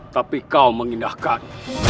tapi kau mengindahkan